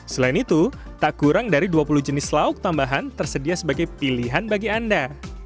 selain itu tak kurang dari dua puluh jenis lauk tambahan tersedia sebagai pilihan bagi anda